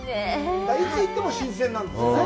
いつ行っても新鮮なんですよね。